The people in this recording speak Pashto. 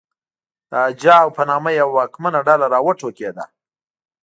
د اجاو په نامه یوه واکمنه ډله راوټوکېده